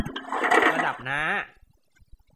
ระดับน้า